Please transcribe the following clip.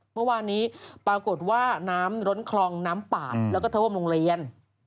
เมื่อวานนี้ปรากฏว่าน้ำล้นคลองน้ำปากแล้วก็ท่วมโรงเรียน